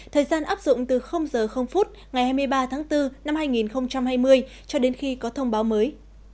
thời gian áp dụng từ h ngày hai mươi ba tháng bốn năm hai nghìn hai mươi cho đến khi có thông báo mới